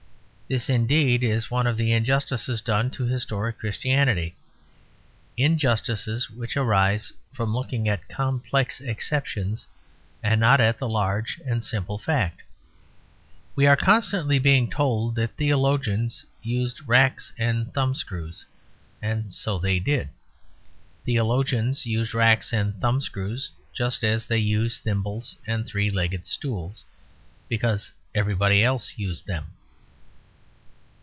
This, indeed, is one of the injustices done to historic Christianity; injustices which arise from looking at complex exceptions and not at the large and simple fact. We are constantly being told that theologians used racks and thumbscrews, and so they did. Theologians used racks and thumbscrews just as they used thimbles and three legged stools, because everybody else used them.